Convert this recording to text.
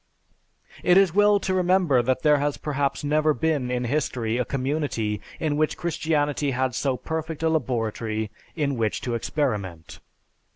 It is well to remember that there has perhaps never been in history a community in which Christianity had so perfect a laboratory in which to experiment.